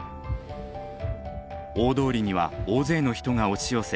大通りには大勢の人が押し寄せ